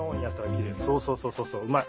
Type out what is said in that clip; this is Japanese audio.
そうそうそうそううまい。